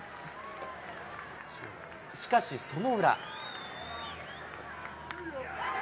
しかしその裏。